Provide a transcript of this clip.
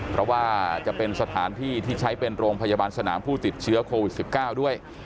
เพราะว่าจะเป็นสถานที่ที่ใช้เป็นโรงพยาบาลสนามผู้ติดเชื้อโควิด๑๙ด้วย